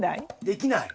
できない？